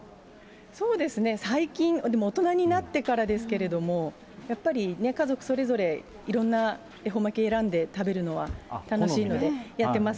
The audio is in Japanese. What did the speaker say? そうですね、最近、でも大人になってからですけれども、やっぱり家族それぞれ、いろんな恵方巻選んで、食べるのは楽しいので、やってます。